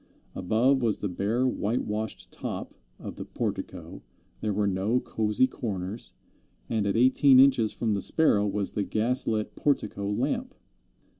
Above was the bare white washed top of the portico, there were no cosy corners, and at eighteen inches from the Sparrow was the gas lit portico lamp.